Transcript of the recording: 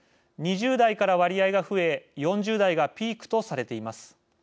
２０代から割合が増え４０代がピークとされています。